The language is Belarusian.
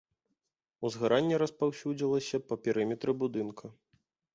Узгаранне распаўсюдзілася па перыметры будынка.